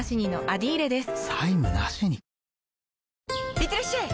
いってらっしゃい！